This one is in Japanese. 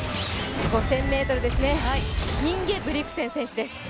５０００ｍですね、インゲブリクセン選手です。